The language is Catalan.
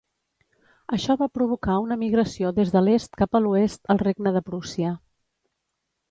Això va provocar una migració des de l'est cap a l'oest al Regne de Prússia.